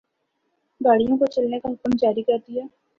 گاڑی کو چلنے کا حکم جاری کر دیا